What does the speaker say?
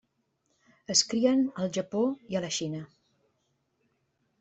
Es crien al Japó i a la Xina.